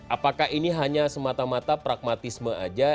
apakah ini hanya semata mata pragmatisme aja